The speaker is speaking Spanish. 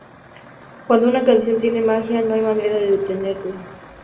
Cuando una canción tiene magia no hay manera de detenerla.